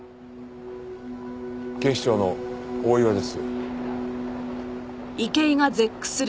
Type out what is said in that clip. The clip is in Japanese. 警視庁の大岩です。